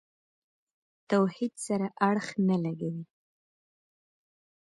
توحید سره اړخ نه لګوي.